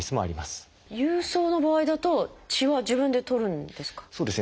郵送の場合だと血は自分で採るんですか？